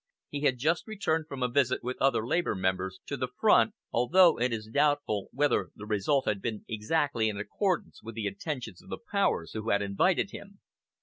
He had just returned from a visit with other Labour Members to the front, although it is doubtful whether the result had been exactly in accordance with the intentions of the powers who had invited him.